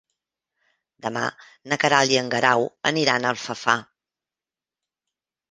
Demà na Queralt i en Guerau aniran a Alfafar.